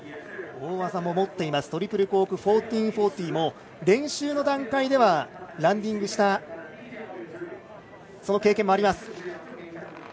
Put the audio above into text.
大技も持っていますトリプルコーク１４４０も練習の段階ではランディングしたその経験もあります。